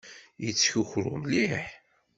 Yettkukru mliḥ.